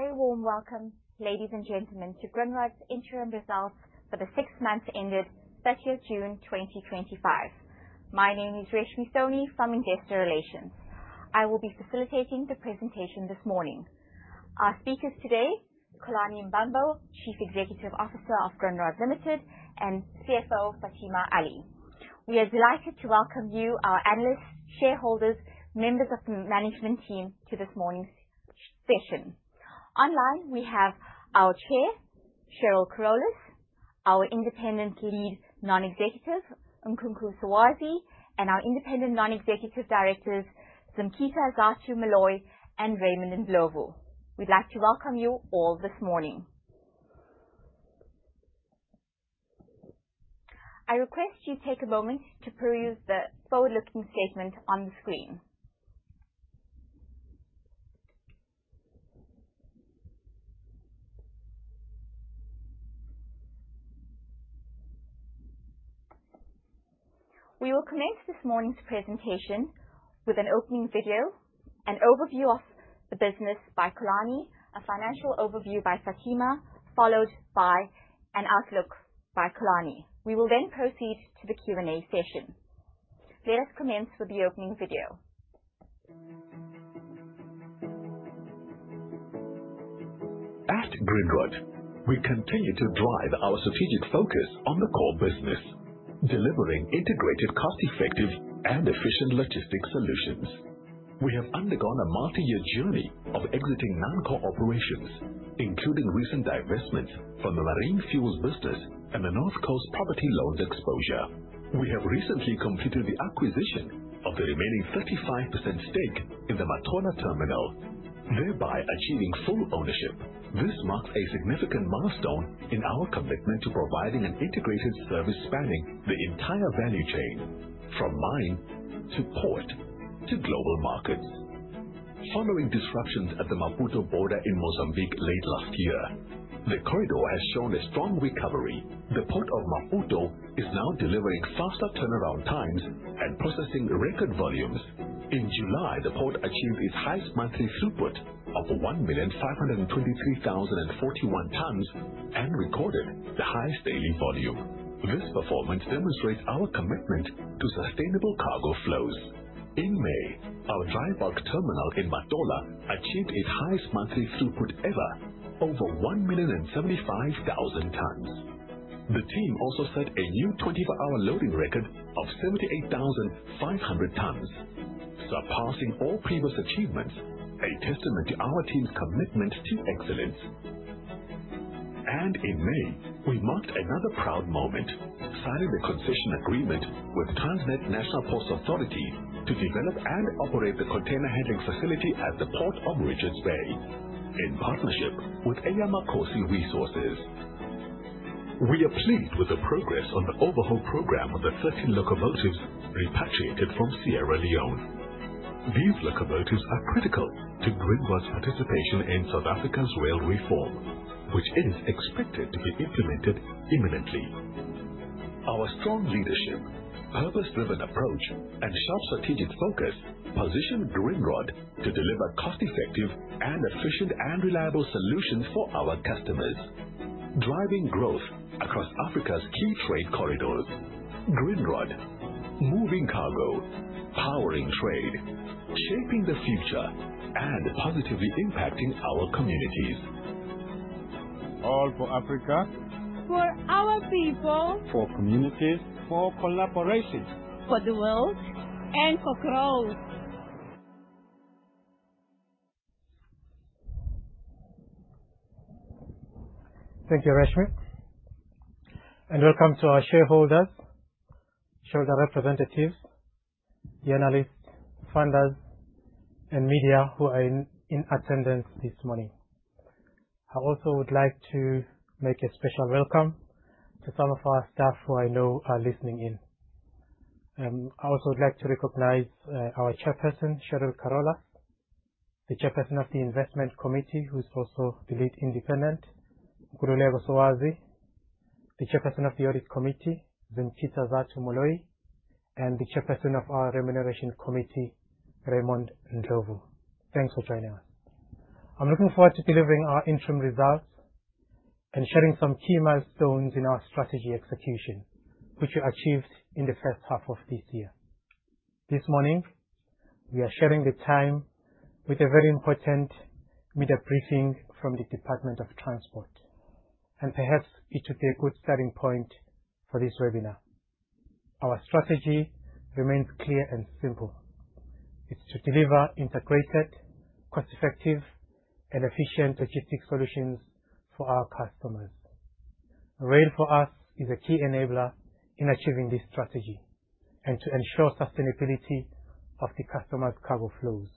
A very warm welcome, ladies and gentlemen, to Grindrod's interim results for the 6 months ended 30 June 2025. My name is Reshmee Soni from Investor Relations. I will be facilitating the presentation this morning. Our speakers today, Xolani Mbambo, Chief Executive Officer of Grindrod Limited, and CFO, Fathima Ally. We are delighted to welcome you, our analysts, shareholders, members of the management team to this morning's session. Online, we have our Chair, Cheryl Carolus, our Independent Lead Non-Executive, Nkululeko Sowazi, and our Independent Non-Executive Directors, Zimkhitha Zatu Moloi, and Raymond Ndlovu. We'd like to welcome you all this morning. I request you take a moment to peruse the forward-looking statement on the screen. We will commence this morning's presentation with an opening video, an overview of the business by Xolani, a financial overview by Fathima, followed by an outlook by Xolani. We will then proceed to the Q&A session. Let us commence with the opening video. At Grindrod, we continue to drive our strategic focus on the core business, delivering integrated, cost-effective, and efficient logistics solutions. We have undergone a multi-year journey of exiting non-core operations, including recent divestments from the Marine Fuels business and the North Coast property loans exposure. We have recently completed the acquisition of the remaining 35% stake in the Matola terminal, thereby achieving full ownership. This marks a significant milestone in our commitment to providing an integrated service spanning the entire value chain, from mine to port to global markets. Following disruptions at the Maputo border in Mozambique late last year, the corridor has shown a strong recovery. The Port of Maputo is now delivering faster turnaround times and processing record volumes. In July, the port achieved its highest monthly throughput of 1,523,041 tonnes and recorded the highest daily volume. This performance demonstrates our commitment to sustainable cargo flows. In May, our dry bulk terminal in Matola achieved its highest monthly throughput ever, over 1,075,000 tonnes. The team also set a new 24-hour loading record of 78,500 tonnes, surpassing all previous achievements, a testament to our team's commitment to excellence. In May, we marked another proud moment, signing a concession agreement with Transnet National Ports Authority to develop and operate the container handling facility at the Port of Richards Bay in partnership with Grindrod Eyamakhosi. We are pleased with the progress on the overhaul program of the 13 locomotives repatriated from Sierra Leone. These locomotives are critical to Grindrod's participation in South Africa's rail reform, which is expected to be implemented imminently. Our strong leadership, purpose-driven approach, and sharp strategic focus position Grindrod to deliver cost-effective and efficient and reliable solutions for our customers, driving growth across Africa's key trade corridors. Grindrod, moving cargo, powering trade, shaping the future, and positively impacting our communities. All for Africa. For our people. For communities. For collaboration. For the world. For growth. Thank you, Reshmee, welcome to our shareholders, shareholder representatives, the analysts, funders, and media who are in attendance this morning. I also would like to make a special welcome to some of our staff who I know are listening in. I also would like to recognize our Chairperson, Cheryl Carolus, the Chairperson of the Investment Committee, who is also the Lead Independent, Nkululeko Sowazi, the Chairperson of the Audit Committee, Zimkhitha Zatu Moloi, and the Chairperson of our Remuneration Committee, Raymond Ndlovu. Thanks for joining us. I am looking forward to delivering our interim results and sharing some key milestones in our strategy execution, which we achieved in the first half of this year. This morning, we are sharing the time with a very important media briefing from the Department of Transport, perhaps it will be a good starting point for this webinar. Our strategy remains clear and simple. It is to deliver integrated, cost-effective, and efficient logistics solutions for our customers. Rail, for us, is a key enabler in achieving this strategy and to ensure sustainability of the customer's cargo flows.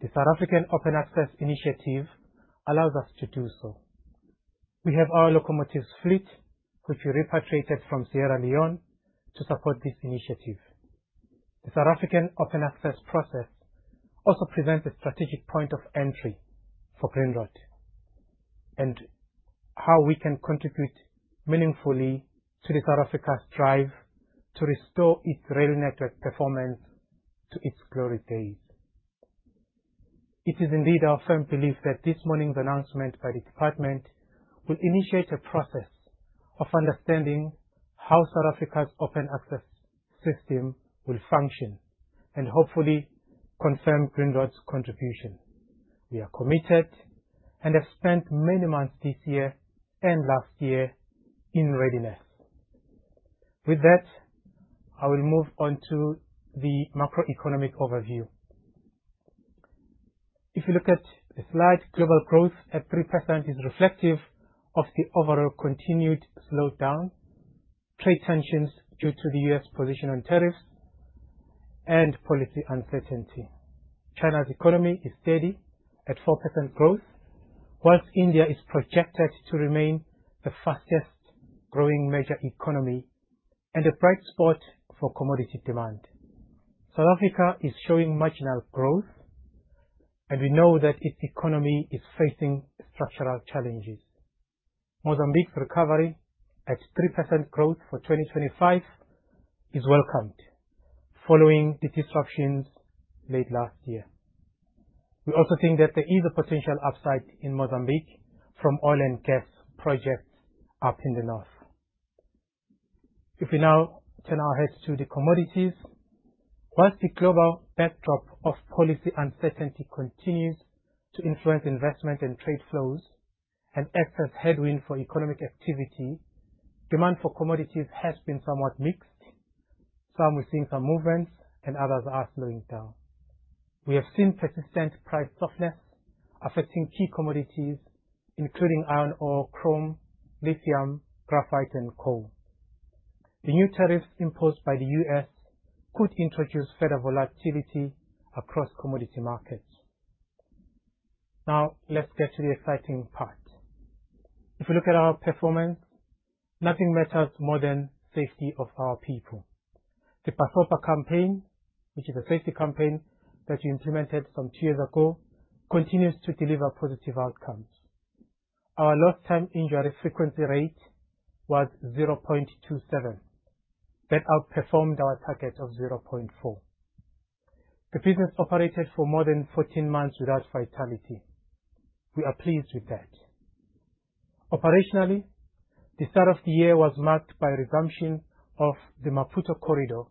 The South African Open Access initiative allows us to do so. We have our locomotives fleet, which we repatriated from Sierra Leone to support this initiative. The South African Open Access process also presents a strategic point of entry for Grindrod. How we can contribute meaningfully to South Africa's drive to restore its rail network performance to its glory days. It is indeed our firm belief that this morning's announcement by the department will initiate a process of understanding how South Africa's open access system will function, and hopefully confirm Grindrod's contribution. We are committed and have spent many months this year and last year in readiness. With that, I will move on to the macroeconomic overview. If you look at the slide, global growth at 3% is reflective of the overall continued slowdown, trade tensions due to the U.S. position on tariffs, and policy uncertainty. China's economy is steady at 4% growth, while India is projected to remain the fastest-growing major economy and a bright spot for commodity demand. South Africa is showing marginal growth, and we know that its economy is facing structural challenges. Mozambique's recovery at 3% growth for 2025 is welcomed following the disruptions late last year. We also think that there is a potential upside in Mozambique from oil and gas projects up in the north. If we now turn our heads to the commodities. While the global backdrop of policy uncertainty continues to influence investment and trade flows and acts as headwind for economic activity, demand for commodities has been somewhat mixed. Some we're seeing some movements and others are slowing down. We have seen persistent price softness affecting key commodities including iron ore, chrome, lithium, graphite, and coal. The new tariffs imposed by the U.S. could introduce further volatility across commodity markets. Let's get to the exciting part. If we look at our performance, nothing matters more than safety of our people. The Basopa campaign, which is a safety campaign that we implemented some two years ago, continues to deliver positive outcomes. Our lost time injury frequency rate was 0.27. That outperformed our target of 0.4. The business operated for more than 14 months without fatality. We are pleased with that. Operationally, the start of the year was marked by resumption of the Maputo corridor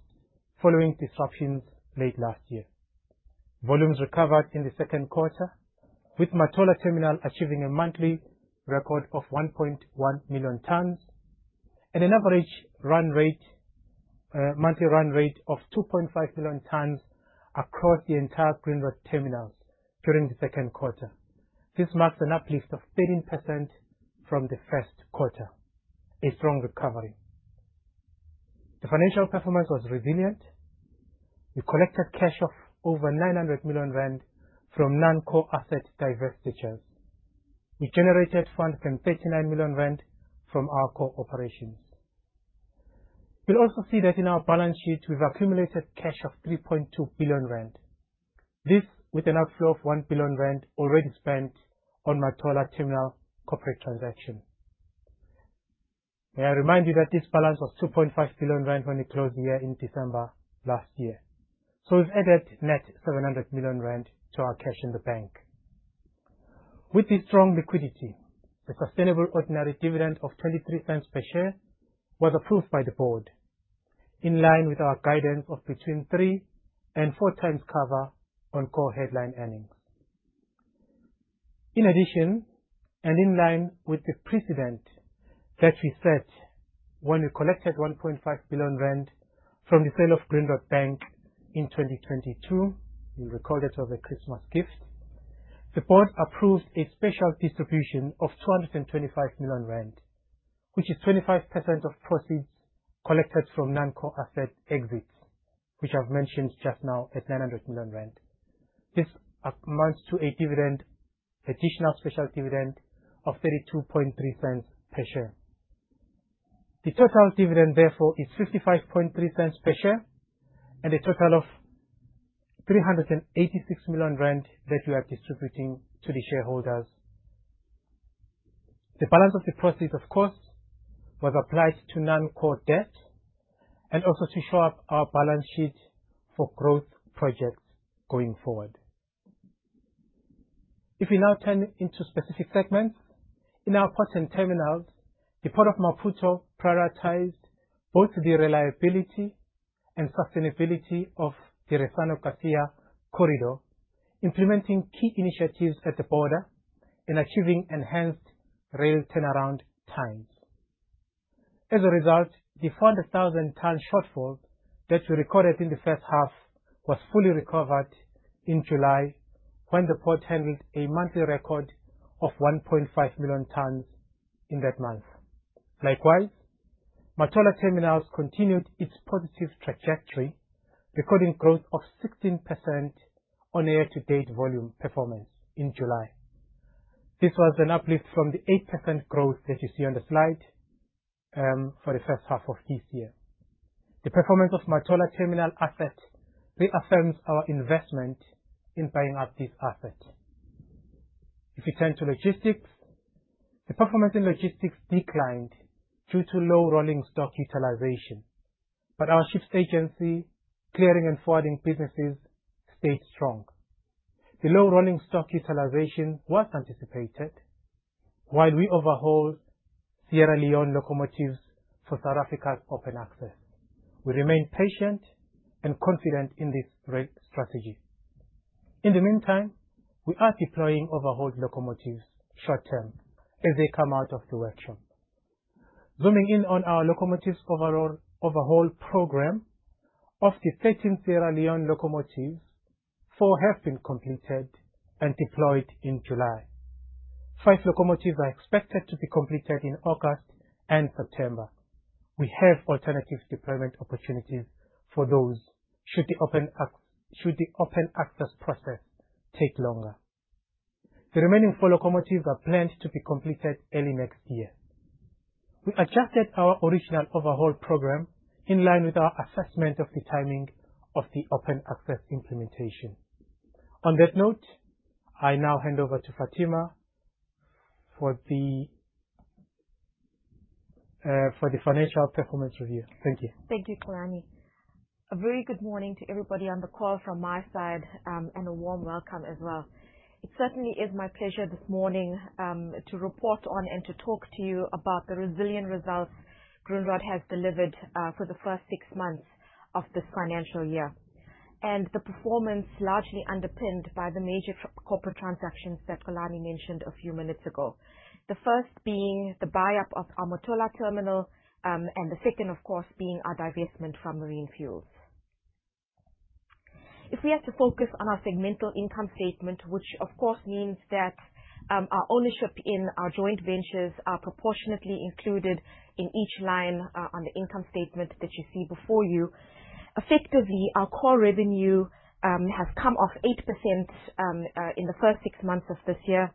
following disruptions late last year. Volumes recovered in the second quarter, with Matola Terminal achieving a monthly record of 1.1 million tonnes and an average monthly run rate of 2.5 million tonnes across the entire Grindrod terminals during the second quarter. This marks an uplift of 13% from the first quarter, a strong recovery. The financial performance was resilient. We collected cash of over 900 million rand from non-core asset divestitures. We generated 139 million rand from our core operations. You'll also see that in our balance sheet, we've accumulated cash of 3.2 billion rand. This with an outflow of 1 billion rand already spent on Matola Terminal corporate transaction. May I remind you that this balance was 2.5 billion rand when we closed the year in December last year. We've added net 700 million rand to our cash in the bank. With this strong liquidity, a sustainable ordinary dividend of 0.23 per share was approved by the board, in line with our guidance of between three and four times cover on core headline earnings. In addition, in line with the precedent that we set when we collected 1.5 billion rand from the sale of Grindrod Bank in 2022, you'll recall that was a Christmas gift, the board approved a special distribution of 225 million rand, which is 25% of proceeds collected from non-core asset exits, which I've mentioned just now at 900 million rand. This amounts to an additional special dividend of 0.323 per share. The total dividend, therefore, is 0.553 per share and a total of 386 million rand that we are distributing to the shareholders. The balance of the proceeds, of course, was applied to non-core debt and also to shore up our balance sheet for growth projects going forward. We now turn into specific segments. In our ports and terminals, the Port of Maputo prioritized both the reliability and sustainability of the Ressano Garcia Corridor, implementing key initiatives at the border and achieving enhanced rail turnaround times. As a result, the 400,000-tonne shortfall that we recorded in the first half was fully recovered in July, when the port handled a monthly record of 1.5 million tonnes in that month. Likewise, Matola Terminal continued its positive trajectory, recording growth of 16% on year-to-date volume performance in July. This was an uplift from the 8% growth that you see on the slide. For the first half of this year. The performance of Matola Terminal asset reaffirms our investment in buying up this asset. If we turn to logistics, the performance in logistics declined due to low rolling stock utilization, but our ships agency clearing and forwarding businesses stayed strong. The low rolling stock utilization was anticipated while we overhauled Sierra Leone locomotives for South African Open Access. We remain patient and confident in this rail strategy. In the meantime, we are deploying overhauled locomotives short-term as they come out of the workshop. Zooming in on our locomotives overhaul program. Of the 13 Sierra Leone locomotives, four have been completed and deployed in July. Five locomotives are expected to be completed in August and September. We have alternative deployment opportunities for those should the open access process take longer. The remaining four locomotives are planned to be completed early next year. We adjusted our original overhaul program in line with our assessment of the timing of the open access implementation. On that note, I now hand over to Fathima for the financial performance review. Thank you. Thank you, Xolani. A very good morning to everybody on the call from my side, and a warm welcome as well. It certainly is my pleasure this morning, to report on and to talk to you about the resilient results Grindrod has delivered for the first six months of this financial year. The performance largely underpinned by the major corporate transactions that Xolani mentioned a few minutes ago. The first being the buyup of our Matola terminal, and the second, of course, being our divestment from Marine Fuels. If we had to focus on our segmental income statement, which of course, means that our ownership in our joint ventures are proportionately included in each line on the income statement that you see before you. Effectively, our core revenue has come off 8% in the first six months of this year.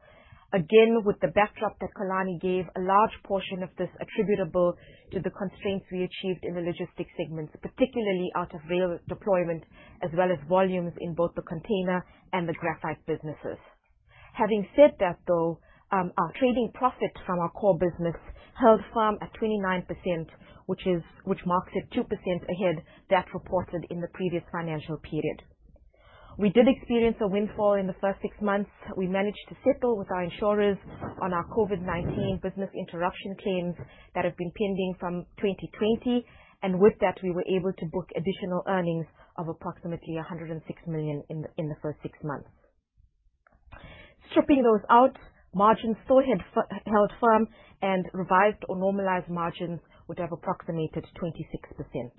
Again, with the backdrop that Xolani gave, a large portion of this attributable to the constraints we achieved in the logistics segment, particularly out of rail deployment, as well as volumes in both the container and the graphite businesses. Having said that though, our trading profit from our core business held firm at 29%, which marks it 2% ahead that reported in the previous financial period. We did experience a windfall in the first six months. We managed to settle with our insurers on our COVID-19 business interruption claims that have been pending from 2020, and with that, we were able to book additional earnings of approximately 106 million in the first six months. Stripping those out, margins still held firm and revised or normalized margins would have approximated 26%.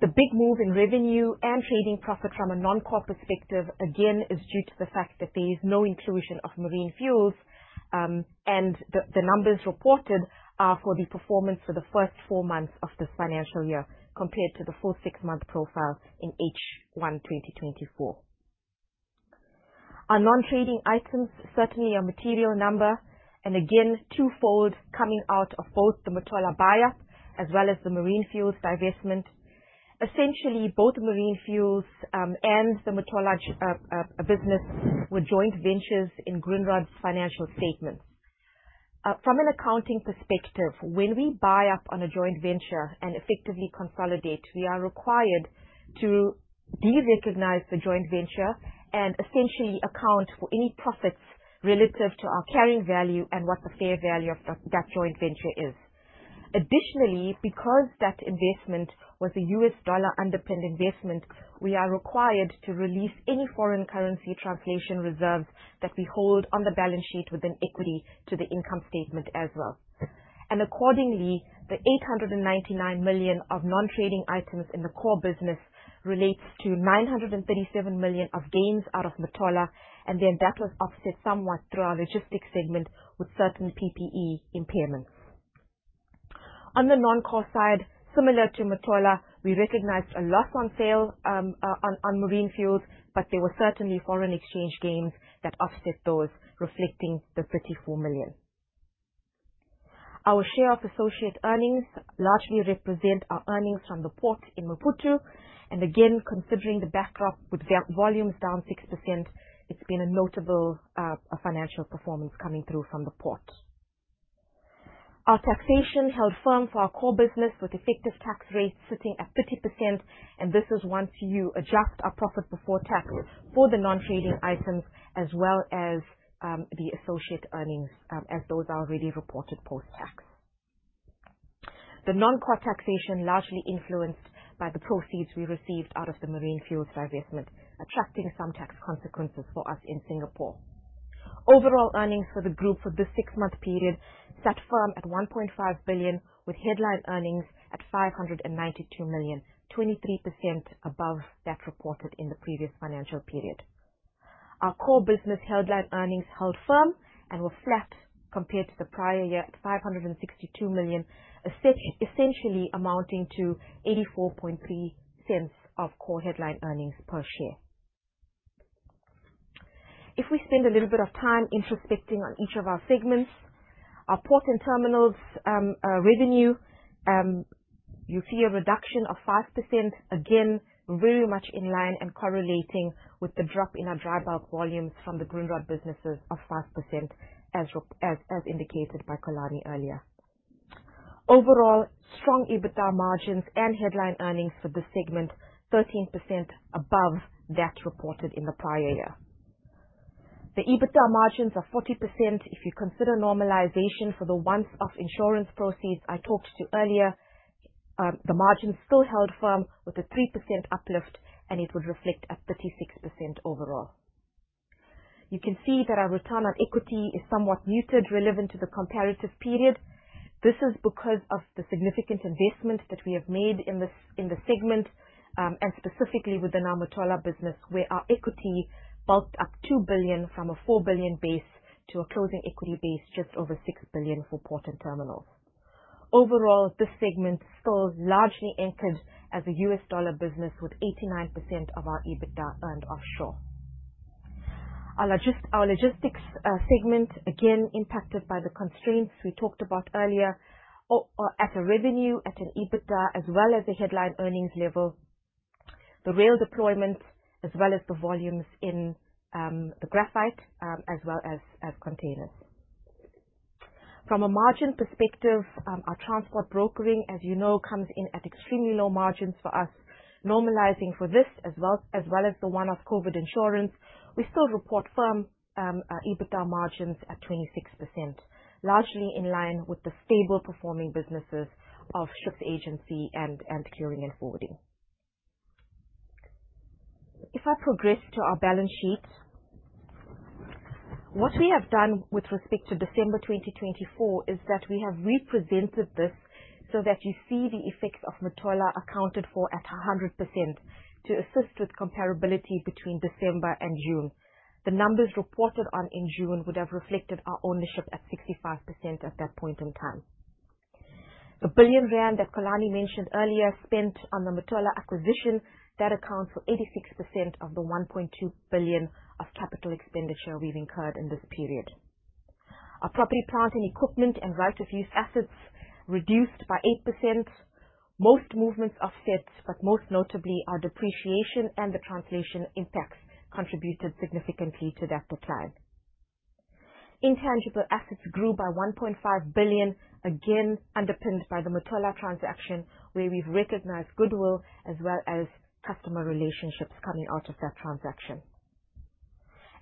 The big move in revenue and trading profit from a non-core perspective, again, is due to the fact that there is no inclusion of Marine Fuels, and the numbers reported are for the performance for the first four months of this financial year compared to the full six-month profile in H1 2024. Our non-trading items certainly are material number and again, twofold coming out of both the Matola buyup as well as the Marine Fuels divestment. Essentially both Marine Fuels, and the Matola business were joint ventures in Grindrod's financial statements. From an accounting perspective, when we buy up on a joint venture and effectively consolidate, we are required to derecognize the joint venture and essentially account for any profits relative to our carrying value and what the fair value of that joint venture is. Additionally, because that investment was a US dollar underpinned investment, we are required to release any foreign currency translation reserves that we hold on the balance sheet within equity to the income statement as well. Accordingly, the 899 million of non-trading items in the core business relates to 937 million of gains out of Matola, and then that was offset somewhat through our logistics segment with certain PPE impairments. On the non-core side, similar to Matola, we recognized a loss on Marine Fuels, but there were certainly foreign exchange gains that offset those reflecting the 34 million. Our share of associate earnings largely represent our earnings from the port in Maputo, and again, considering the backdrop with volumes down 6%, it's been a notable financial performance coming through from the port. Our taxation held firm for our core business with effective tax rates sitting at 30%, and this is once you adjust our profit before tax for the non-trading items as well as the associate earnings, as those are already reported post-tax. The non-core taxation largely influenced by the proceeds we received out of the Marine Fuels divestment, attracting some tax consequences for us in Singapore. Overall earnings for the group for this six-month period sat firm at 1.5 billion, with headline earnings at 592 million, 23% above that reported in the previous financial period. Our core business headline earnings held firm and were flat compared to the prior year at 562 million, essentially amounting to 0.843 of core headline earnings per share. If we spend a little bit of time introspecting on each of our segments, our port and terminals revenue, you'll see a reduction of 5%, again, very much in line and correlating with the drop in our dry bulk volumes from the Grindrod businesses of 5%, as indicated by Xolani earlier. Overall, strong EBITDA margins and headline earnings for this segment, 13% above that reported in the prior year. The EBITDA margins are 40%. If you consider normalization for the once-off insurance proceeds I talked to earlier, the margins still held firm with a 3% uplift, and it would reflect at 36% overall. You can see that our return on equity is somewhat muted relevant to the comparative period. This is because of the significant investment that we have made in this segment, specifically with the Matola business, where our equity bulked up 2 billion from a 4 billion base to a closing equity base just over 6 billion for port and terminals. Overall, this segment still largely anchored as a U.S. dollar business with 89% of our EBITDA earned offshore. Our logistics segment, again, impacted by the constraints we talked about earlier, at a revenue, at an EBITDA as well as the headline earnings level, the rail deployments as well as the volumes in the graphite, as well as containers. From a margin perspective, our transport brokering, as you know, comes in at extremely low margins for us. Normalizing for this as well as the one-off COVID-19 insurance, we still report firm EBITDA margins at 26%, largely in line with the stable performing businesses of ships agency and clearing and forwarding. If I progress to our balance sheet, what we have done with respect to December 2024 is that we have represented this so that you see the effects of Matola accounted for at 100% to assist with comparability between December and June. The numbers reported on in June would have reflected our ownership at 65% at that point in time. The 1 billion rand that Xolani mentioned earlier spent on the Matola acquisition, that accounts for 86% of the 1.2 billion of capital expenditure we've incurred in this period. Our property, plant, and equipment and right to use assets reduced by 8%. Most movements are assets, but most notably, our depreciation and the translation impacts contributed significantly to that decline. Intangible assets grew by 1.5 billion, again, underpinned by the Matola transaction, where we've recognized goodwill as well as customer relationships coming out of that transaction.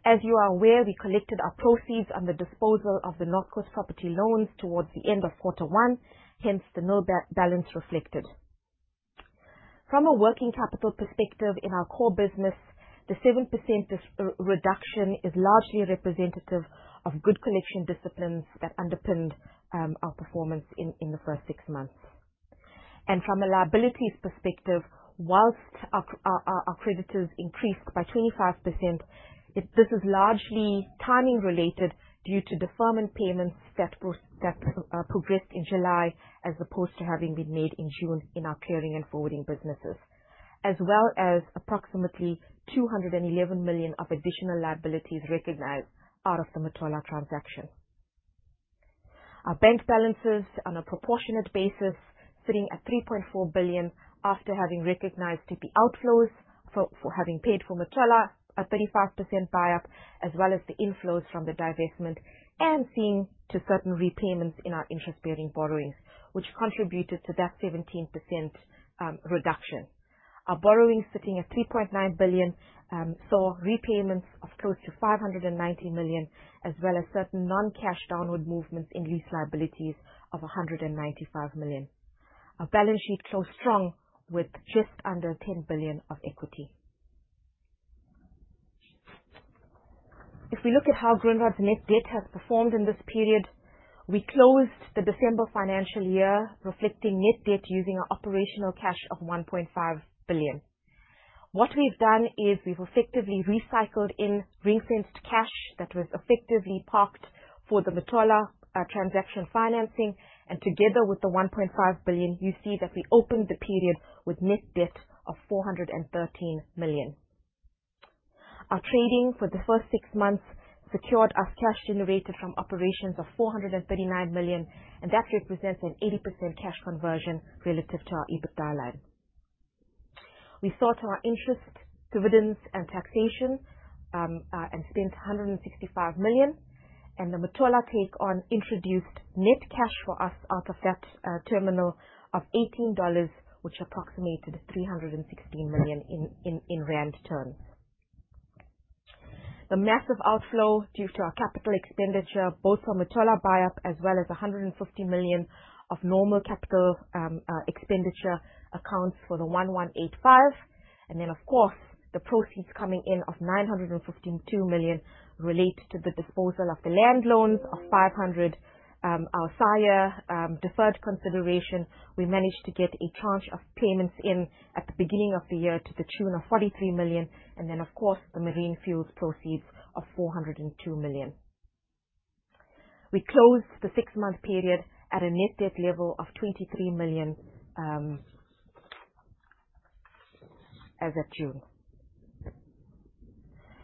As you are aware, we collected our proceeds on the disposal of the North Coast property loans towards the end of quarter one, hence the nil balance reflected. From a working capital perspective in our core business, the 7% reduction is largely representative of good collection disciplines that underpinned our performance in the first six months. From a liabilities perspective, whilst our creditors increased by 25%, this is largely timing related due to deferment payments that progressed in July, as opposed to having been made in June in our clearing and forwarding businesses, as well as approximately 211 million of additional liabilities recognized out of the Matola transaction. Our bank balances on a proportionate basis, sitting at 3.4 billion after having recognized the outflows for having paid for Matola, a 35% buyup, as well as the inflows from the divestment and seeing to certain repayments in our interest-bearing borrowings, which contributed to that 17% reduction. Our borrowings sitting at 3.9 billion, saw repayments of close to 590 million, as well as certain non-cash downward movements in lease liabilities of 195 million. Our balance sheet closed strong with just under 10 billion of equity. If we look at how Grindrod's net debt has performed in this period, we closed the December financial year reflecting net debt using our operational cash of 1.5 billion. We have effectively recycled in rinsed cash that was effectively parked for the Matola transaction financing, and together with the 1.5 billion, you see that we opened the period with net debt of 413 million. Our trading for the first six months secured us cash generated from operations of 439 million, and that represents an 80% cash conversion relative to our EBITDA line. We sought our interest, dividends, and taxation, and spent 165 million, and the Matola take on introduced net cash for us out of that terminal of 18 dollars, which approximated 316 million in rand terms. The massive outflow due to our capital expenditure, both from Matola buyup as well as 150 million of normal capital expenditure accounts for the 1,185 million. The proceeds coming in of 952 million relate to the disposal of the land loans of 500 million. Our SIRE deferred consideration, we managed to get a tranche of payments in at the beginning of the year to the tune of 43 million. And then, of course, the Marine Fuels proceeds of 402 million. We closed the six-month period at a net debt level of 23 million as of June.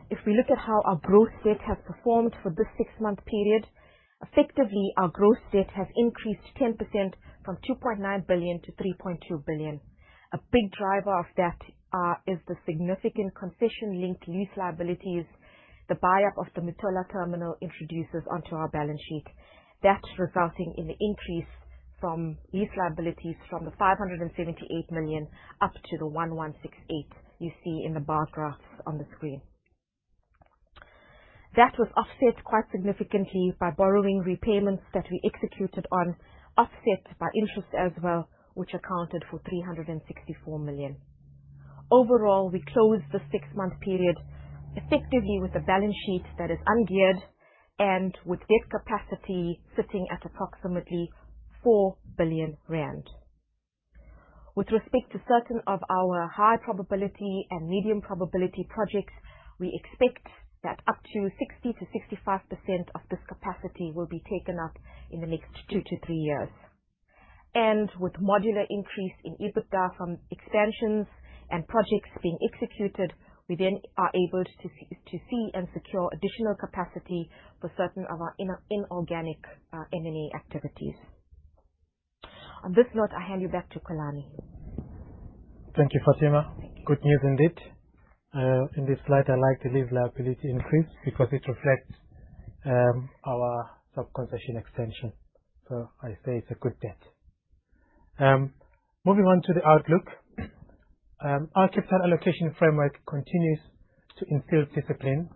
If we look at how our gross debt has performed for this six-month period, effectively, our gross debt has increased 10% from 2.9 billion to 3.2 billion. A big driver of that is the significant concession-linked lease liabilities the buyup of the Matola terminal introduces onto our balance sheet. That is resulting in the increase from lease liabilities from the 578 million up to the 1,168 million you see in the bar graphs on the screen. That was offset quite significantly by borrowing repayments that we executed on, offset by interest as well, which accounted for 364 million. Overall, we closed the six-month period effectively with a balance sheet that is ungeared and with debt capacity sitting at approximately 4 billion rand. With respect to certain of our high-probability and medium-probability projects, we expect that up to 60%-65% of this capacity will be taken up in the next 2-3 years. And with modular increase in EBITDA from expansions and projects being executed, we then are able to see and secure additional capacity for certain of our inorganic M&A activities. On this note, I hand you back to Xolani. Thank you, Fathima. Good news indeed. In this slide, I like the lease liability increase because it reflects our sub-concession extension. So I say it is a good debt. Moving on to the outlook. Our capital allocation framework continues to instill discipline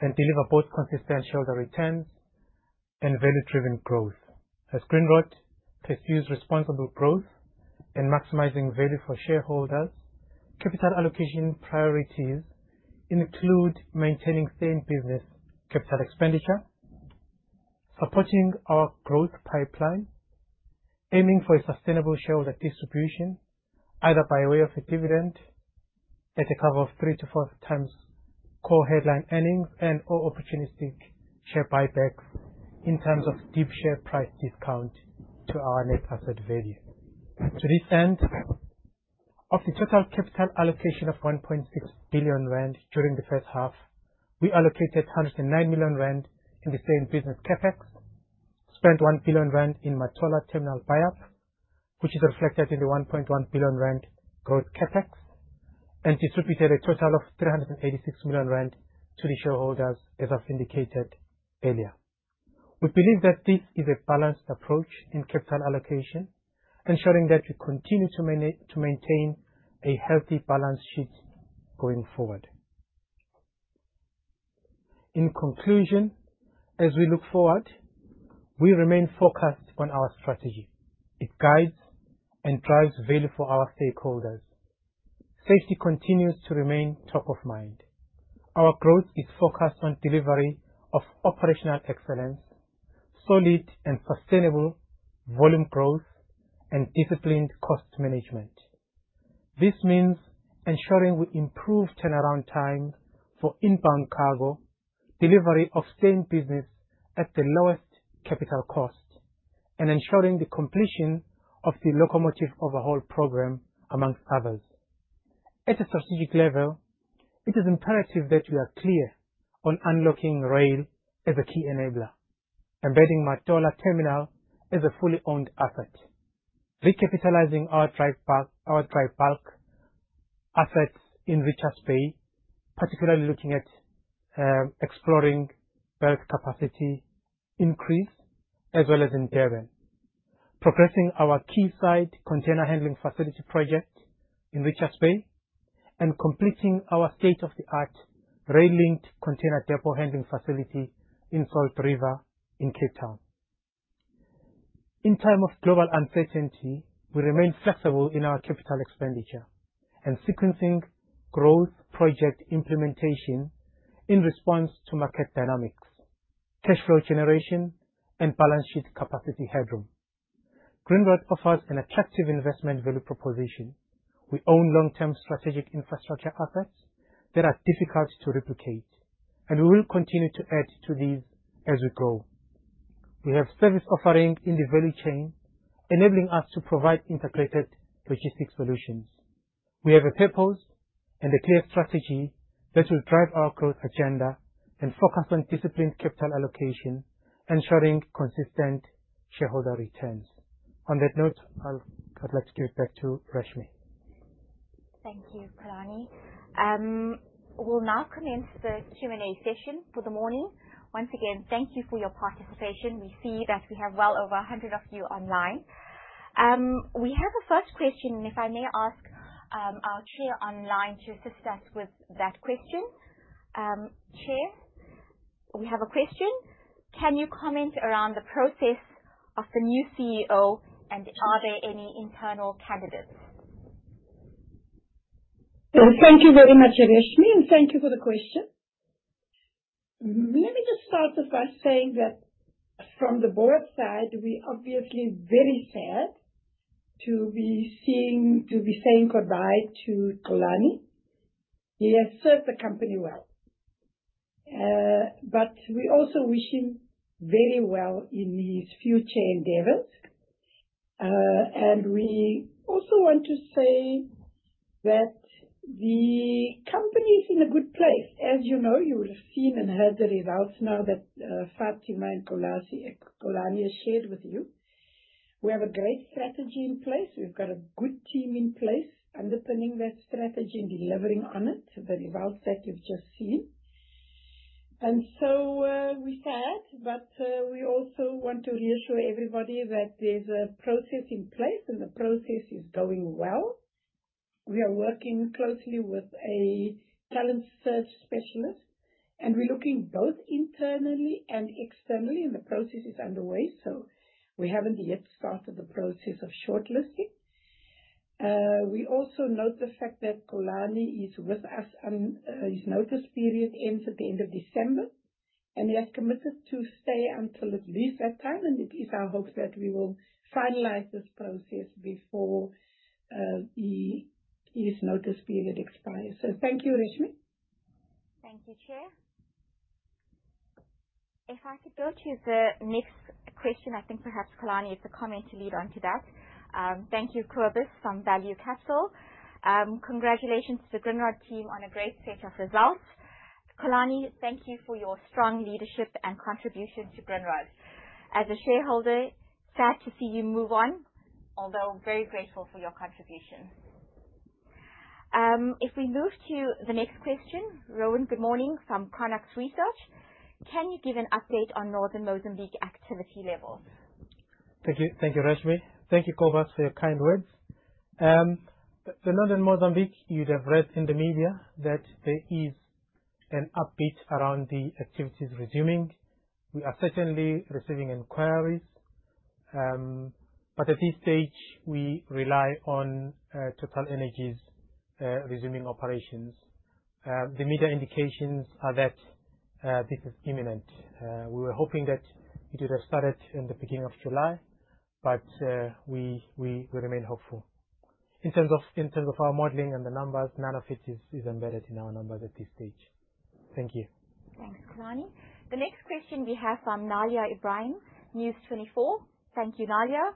and deliver both consistent shareholder returns and value-driven growth. As Grindrod pursues responsible growth and maximizing value for shareholders, capital allocation priorities include maintaining same business capital expenditure, supporting our growth pipeline, aiming for a sustainable shareholder distribution, either by way of a dividend at a cover of 3-4 times core headline earnings and/or opportunistic share buybacks in terms of deep share price discount to our net asset value. To this end, of the total capital allocation of 1.6 billion rand during the first half, we allocated 109 million rand in the same business CapEx, spent 1 billion rand in Matola terminal buyup, which is reflected in the 1.1 billion rand growth CapEx, and distributed a total of 386 million rand to the shareholders as I've indicated earlier. We believe that this is a balanced approach in capital allocation, ensuring that we continue to maintain a healthy balance sheet going forward. In conclusion, as we look forward, we remain focused on our strategy. It guides and drives value for our stakeholders. Safety continues to remain top of mind. Our growth is focused on delivery of operational excellence, solid and sustainable volume growth, and disciplined cost management. This means ensuring we improve turnaround time for inbound cargo, delivery of same business at the lowest capital cost, and ensuring the completion of the locomotive overhaul program, amongst others. At a strategic level, it is imperative that we are clear on unlocking rail as a key enabler, embedding Matola terminal as a fully owned asset. Recapitalizing our dry bulk assets in Richards Bay, particularly looking at exploring bulk capacity increase, as well as in Durban. Progressing our Quayside container handling facility project in Richards Bay, and completing our state-of-the-art rail-linked container depot handling facility in Salt River in Cape Town. In time of global uncertainty, we remain flexible in our capital expenditure and sequencing growth project implementation in response to market dynamics, cash flow generation, and balance sheet capacity headroom. Grindrod offers an attractive investment value proposition. We own long-term strategic infrastructure assets that are difficult to replicate, and we will continue to add to these as we grow. We have service offering in the value chain, enabling us to provide integrated logistics solutions. We have a purpose and a clear strategy that will drive our growth agenda and focus on disciplined capital allocation, ensuring consistent shareholder returns. On that note, I'll let's give it back to Reshmi. Thank you, Xolani. We'll now commence the Q&A session for the morning. Once again, thank you for your participation. We see that we have well over 100 of you online. We have a first question, and if I may ask our Chair online to assist us with that question. Chair, we have a question. Can you comment around the process of the new CEO, and are there any internal candidates? Thank you very much, Reshmee, and thank you for the question. Let me just start off by saying that from the board's side, we're obviously very sad to be saying goodbye to Xolani. He has served the company well. We also wish him very well in his future endeavors. We also want to say that the company is in a good place. As you know, you would have seen and heard the results now that Fathima and Xolani have shared with you. We have a great strategy in place. We've got a good team in place underpinning that strategy and delivering on it, the results that you've just seen. We're sad, but we also want to reassure everybody that there's a process in place, and the process is going well. We are working closely with a talent search specialist, and we're looking both internally and externally, and the process is underway. We haven't yet started the process of shortlisting. We also note the fact that Xolani is with us, his notice period ends at the end of December, he has committed to stay until at least that time, and it is our hope that we will finalize this process before his notice period expires. Thank you, Reshmee. Thank you, Chair. If I could go to the next question, I think perhaps Xolani has a comment to lead on to that. Thank you, Cobus, from Value Capital. Congratulations to the Grindrod team on a great set of results. Xolani, thank you for your strong leadership and contribution to Grindrod. As a shareholder, sad to see you move on, although very grateful for your contribution. If we move to the next question. Rowan, good morning from Chronux Research. Can you give an update on Northern Mozambique activity levels? Thank you, Rashmee. Thank you, Cobus, for your kind words. For Northern Mozambique, you would have read in the media that there is an upbeat around the activities resuming. We are certainly receiving inquiries. At this stage, we rely on TotalEnergies resuming operations. The media indications are that this is imminent. We were hoping that it would have started in the beginning of July, but we remain hopeful. In terms of our modeling and the numbers, none of it is embedded in our numbers at this stage. Thank you. Thanks, Xolani. The next question we have from Na'ilah Ebrahim, News24. Thank you, Na'ilah.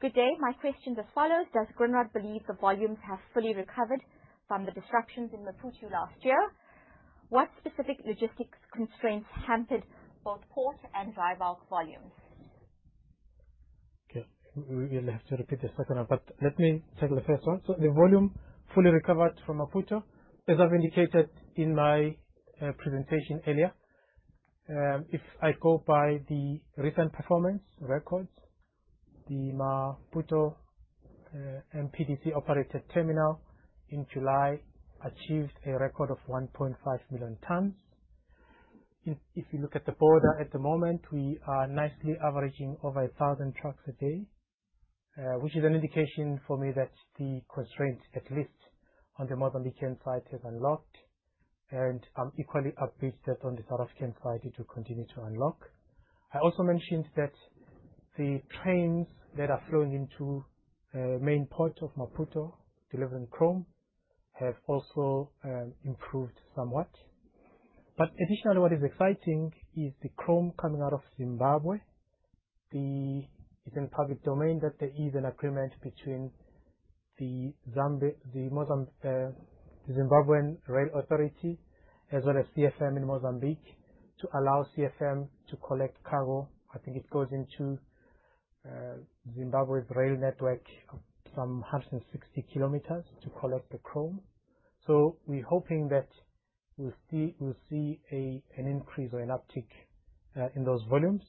Good day. My question is as follows: Does Grindrod believe the volumes have fully recovered from the disruptions in Maputo last year? What specific logistics constraints hampered both port and dry bulk volumes? Okay. You'll have to repeat the second one, but let me take the first one. The volume fully recovered from Maputo, as I've indicated in my presentation earlier. If I go by the recent performance records, the Maputo MPDC-operated terminal in July achieved a record of 1.5 million tonnes. If you look at the border at the moment, we are nicely averaging over 1,000 trucks a day, which is an indication for me that the constraints, at least on the Mozambican side, have unlocked, and I'm equally upbeat that on the South African side, it will continue to unlock. I also mentioned that the trains that are flowing into the main port of Maputo, delivering chrome, have also improved somewhat. Additionally, what is exciting is the chrome coming out of Zimbabwe. It's in public domain that there is an agreement between the National Railways of Zimbabwe, as well as CFM in Mozambique, to allow CFM to collect cargo. I think it goes into Zimbabwe's rail network some 160 kilometers to collect the chrome. We're hoping that we'll see an increase or an uptick in those volumes.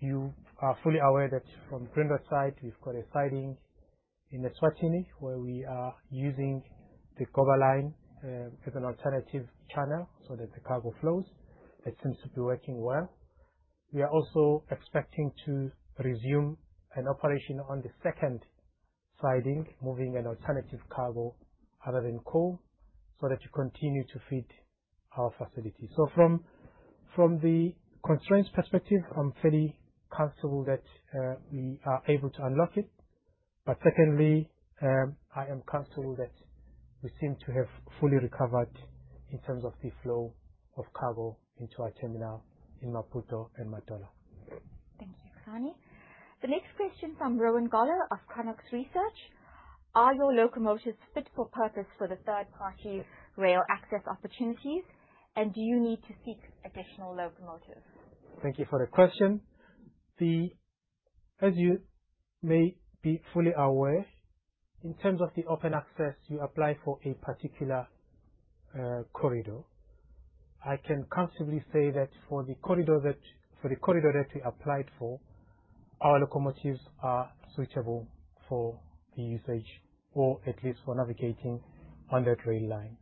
You are fully aware that from Grindrod's side, we've got a siding in Eswatini where we are using the Goba line as an alternative channel so that the cargo flows. It seems to be working well. We are also expecting to resume an operation on the second siding, moving an alternative cargo other than coal, so that we continue to feed our facility. From the constraints perspective, I'm fairly comfortable that we are able to unlock it. Secondly, I am comfortable that we seem to have fully recovered in terms of the flow of cargo into our terminal in Maputo and Matola. Thank you, Xolani. The next question from Rowan Goller of Cronax Research. Are your locomotives fit for purpose for the third-party rail access opportunities, and do you need to seek additional locomotives? Thank you for the question. As you may be fully aware, in terms of the South African Open Access, you apply for a particular corridor. I can comfortably say that for the corridor that we applied for, our locomotives are suitable for usage or at least for navigating on that rail line.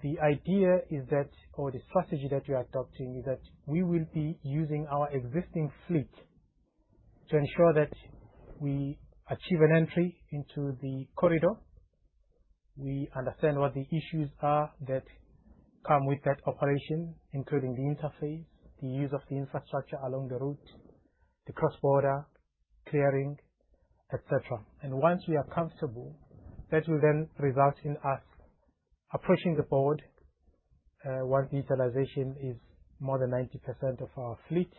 The idea is that, or the strategy that we are adopting is that we will be using our existing fleet to ensure that we achieve an entry into the corridor. We understand what the issues are that come with that operation, including the interface, the use of the infrastructure along the route, the cross-border, clearing et cetera. Once we are comfortable, that will then result in us approaching the board, once utilization is more than 90% of our fleet,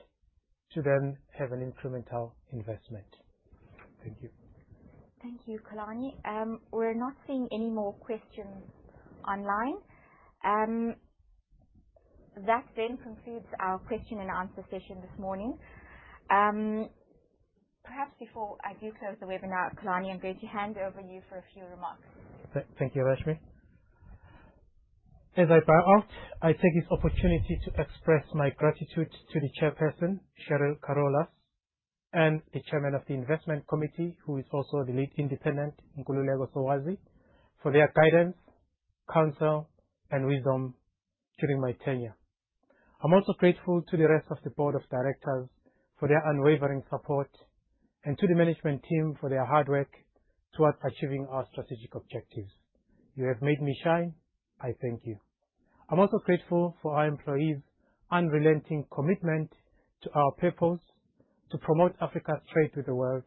to then have an incremental investment. Thank you. Thank you, Xolani. We're not seeing any more questions online. That then concludes our question and answer session this morning. Perhaps before I do close the webinar, Xolani, I'm going to hand over you for a few remarks. Thank you, Reshmi. As I bow out, I take this opportunity to express my gratitude to the chairperson, Cheryl Carolus, and the chairman of the investment committee, who is also the Lead Independent, Nkululeko Sowazi, for their guidance, counsel, and wisdom during my tenure. I'm also grateful to the rest of the Board of Directors for their unwavering support, and to the management team for their hard work towards achieving our strategic objectives. You have made me shine. I thank you. I'm also grateful for our employees' unrelenting commitment to our purpose to promote Africa's trade with the world,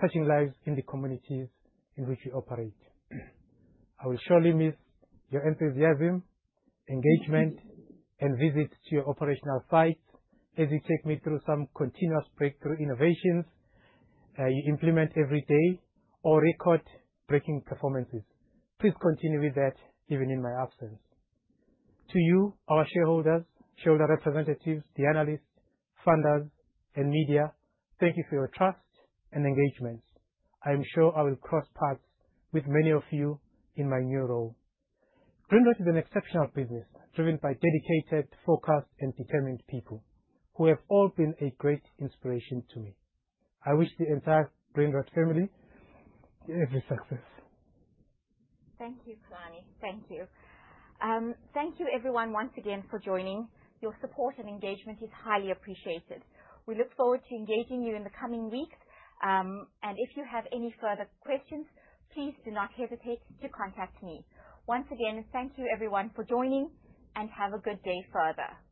touching lives in the communities in which we operate. I will surely miss your enthusiasm, engagement, and visits to your operational sites as you take me through some continuous breakthrough innovations you implement every day, or record-breaking performances. Please continue with that, even in my absence. To you, our shareholders, shareholder representatives, the analysts, funders, and media, thank you for your trust and engagement. I am sure I will cross paths with many of you in my new role. Grindrod is an exceptional business driven by dedicated, focused, and determined people who have all been a great inspiration to me. I wish the entire Grindrod family every success. Thank you, Xolani. Thank you. Thank you everyone once again for joining. Your support and engagement is highly appreciated. We look forward to engaging you in the coming weeks. If you have any further questions, please do not hesitate to contact me. Once again, thank you everyone for joining, have a good day further. Thank you